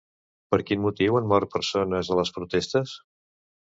Per quin motiu han mort persones a les protestes?